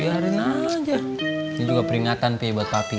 biarin aja ini juga peringatan pi buat papi